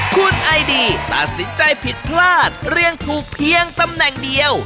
คุณไอดีตัดสินใจผิดพลาดเรียงถูกเพียงตำแหน่งเดียว